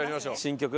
新曲？